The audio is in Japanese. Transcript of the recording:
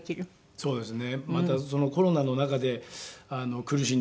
そうですよね。